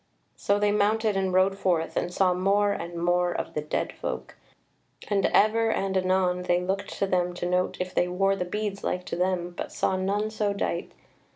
So they mounted and rode forth, and saw more and more of the dead folk; and ever and anon they looked to them to note if they wore the beads like to them but saw none so dight.